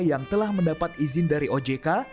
yang telah mendapat izin dari ojk